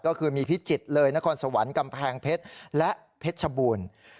ก็คือมีพิจิตรเลยนครสวรรค์กำแพงเพชรและเพชรชบูรณ์